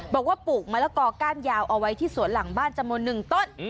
บอกว่าปลูกมะละก่อก้านยาวเอาไว้ที่สวนหลังบ้านจมนึงต้น